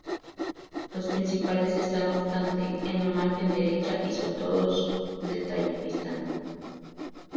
Los principales están, no obstante, en la margen derecha y son todos de Tayikistán.